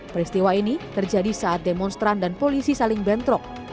peristiwa ini terjadi saat demonstran dan polisi saling bentrok